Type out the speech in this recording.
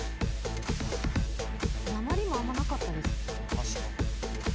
なまりもあんまなかったですよね。